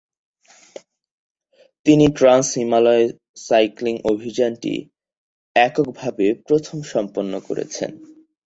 তিনি ট্রান্স-হিমালয় সাইক্লিং অভিযানটি এককভাবে প্রথম সম্পন্ন করেছেন।